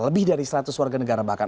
lebih dari seratus warga negara bahkan